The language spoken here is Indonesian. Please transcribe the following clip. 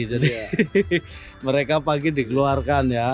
jadi mereka pagi dikeluarkan ya